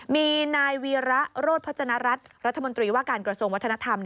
มีนายวีระโรธพัฒนรัฐรัฐมนตรีว่าการกระทรวงวัฒนธรรม